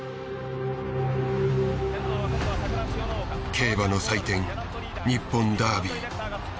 競馬の祭典日本ダービー。